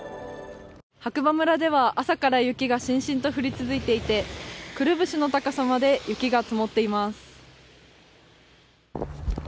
白馬村では朝から雪がしんしんと降り続いていて、くるぶしの高さまで雪が積もっています。